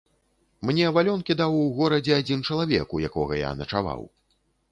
Мне валёнкі даў у горадзе адзін чалавек, у якога я начаваў.